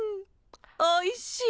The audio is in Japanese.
おいしい。